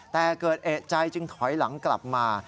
แต่เกิดเอกใจจึงถอยหลังกลับมา